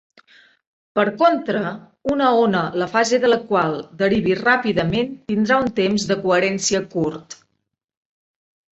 Per contra, una ona la fase de la qual derivi ràpidament tindrà un temps de coherència curt.